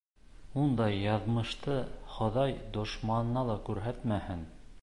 Ундай яҙмышты Хоҙай дошманыңа ла күрһәтмәһен!..